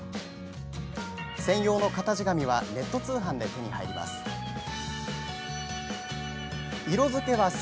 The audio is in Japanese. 専用の型地紙はネット通販で手に入ります。